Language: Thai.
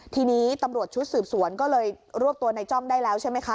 ทีนี้ตำรวจชุดสืบสวนก็เลยรวบตัวในจ้องได้แล้วใช่ไหมคะ